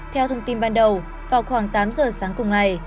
theo thông tin ban đầu vào khoảng tám giờ sáng cùng ngày